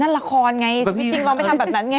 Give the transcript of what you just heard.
นั่นละครไงชีวิตจริงเราไม่ทำแบบนั้นไง